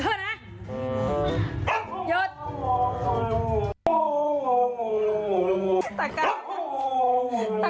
กระโดดออกมา